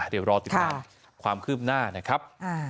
เดี๋ยวรอติดตามความคืบหน้านะครับ